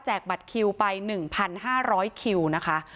บัตรคิวไป๑๕๐๐คิวนะคะ